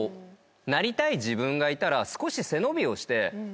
なりたい自分がいたら少し背伸びをして。